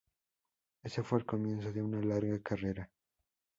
Ese fue el comienzo de una larga carrera.